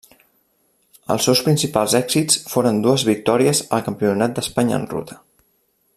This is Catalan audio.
Els seus principals èxits foren dues victòries al Campionat d'Espanya en ruta.